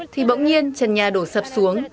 thì bỗng nhiên chân nhà đổ sập xuống